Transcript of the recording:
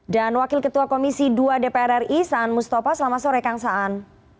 dan wakil ketua komisi dua dpr ri saan mustopha selamat sore kang saan